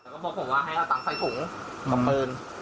บอกว่าให้ตังค์ไซด์ถุงกับปืน